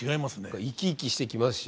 何か生き生きしてきますしね。